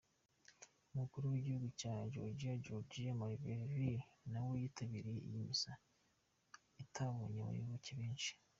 Umukuru w’Igihugu cya Georgia, Georgy Margvelashvili nawe yitabiriye iyi misa itabonye abayoboke benshi.